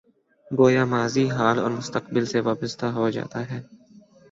گویا ماضی، حال اور مستقبل سے وابستہ ہو جاتا ہے۔